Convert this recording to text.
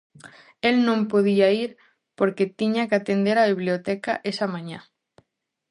El non podía ir porque tiña que atender a Biblioteca esa mañá.